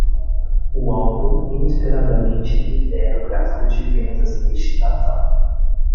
O álbum inesperadamente lidera o gráfico de vendas neste Natal.